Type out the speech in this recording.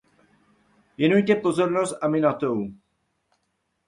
Věnujte pozornost Aminatou!